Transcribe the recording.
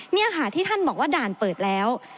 นี่ค่ะที่ท่านบอกว่าด่านเปิดแล้ว